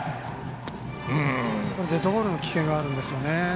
デッドボールの危険があるんですよね。